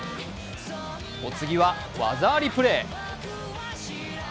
お次は技ありプレー。